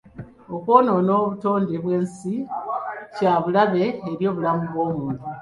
Okwonoona kw'obutonde bw'ensi kya bulabe eri obulamu bw'omuntu.